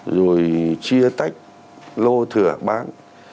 rồi chia tách lô thửa bán